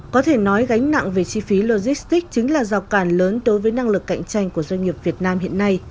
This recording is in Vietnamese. có thể nói gánh nặng về chi phí logistics chính là rào cản lớn đối với năng lực cạnh tranh của doanh nghiệp việt nam hiện nay